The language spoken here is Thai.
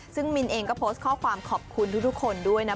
ซึ่งมินเองก็โพสต์ข้อความขอบคุณทุกคนด้วยนะ